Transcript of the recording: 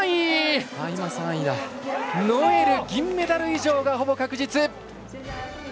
ノエル、銀メダル以上がほぼ確実。